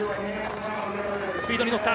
スピードに乗った。